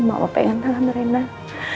mama pengen tangan trainer